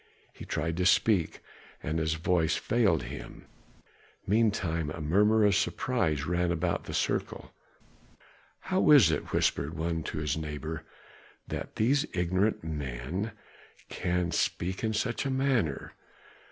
He tried to speak, and his voice failed him. Meantime a murmur of surprise ran about the circle. "How is it," whispered one to his neighbor, "that these ignorant men can speak in such a manner?"